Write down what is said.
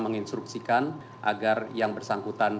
menginstruksikan agar yang bersangkutan